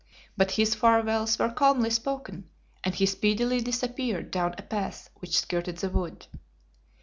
But his farewells were calmly spoken, and he speedily disappeared down a path which skirted the wood.